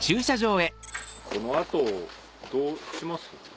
この後どうします？